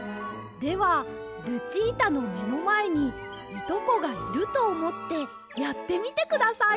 ではルチータのめのまえにいとこがいるとおもってやってみてください。